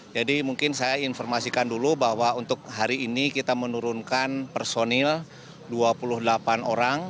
jadi mungkin saya informasikan dulu bahwa untuk hari ini kita menurunkan personil dua puluh delapan orang